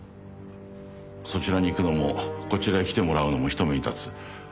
そちらに行くのもこちらへ来てもらうのも人目に立つ。